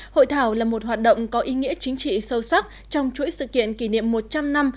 hội thảo là một hoạt động có ý nghĩa chính trị sâu sắc trong chuỗi sự kiện kỷ niệm một trăm linh năm